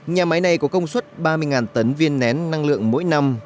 nhà máy này có công suất ba mươi tấn viên nén năng lượng mỗi năm